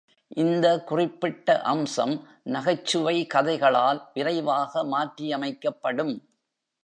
இந்த குறிப்பிட்ட அம்சம் நகைச்சுவை கதைகளால் விரைவாக மாற்றியமைக்கப்படும்.